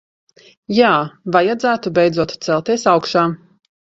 Jā, vajadzētu beidzot celties augšā.